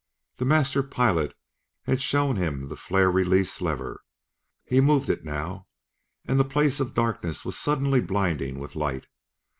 The master pilot had shown him the flare release lever; he moved it now, and the place of darkness was suddenly blinding with light.